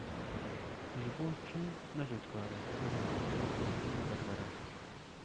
Ji bo çi ne cotkar e, ne mamoste ye, an jî ne berber e?